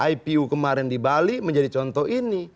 ipu kemarin di bali menjadi contoh ini